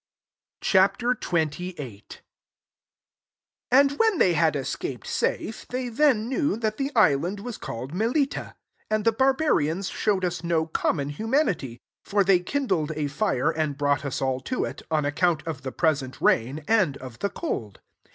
Ch. XXVIll. 1 And when they had escaped safe, they then knew that the island was called Melita.* 2 And the bar barians showed us no common humanity : for they kindled a fire, and brought us all to it, on account of the present rain, and of the cold.